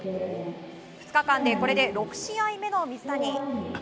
２日間でこれで６試合目の水谷。